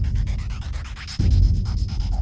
ตอนที่สุดมันกลายเป็นสิ่งที่ไม่มีความคิดว่า